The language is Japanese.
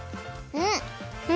うん！